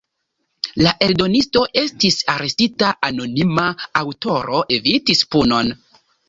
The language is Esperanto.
La eldonisto estis arestita, anonima aŭtoro evitis punon.